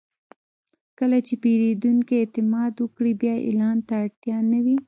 کله چې پیرودونکی اعتماد وکړي، بیا اعلان ته اړتیا نه وي.